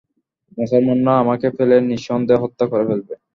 মুসলমানরা আমাকে পেলে নিঃসন্দেহে হত্যা করে ফেলবে।